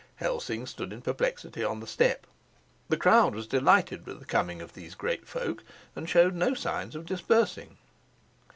Helsing stood in perplexity on the step. The crowd was delighted with the coming of these great folk and showed no sign of dispersing.